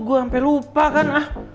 gue sampe lupa kan